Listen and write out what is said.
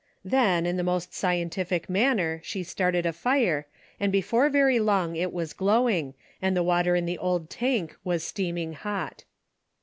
Then, in the most scientific manner, she started a fire, and before very long it was glowing, and the water in the old tank was steaming hot.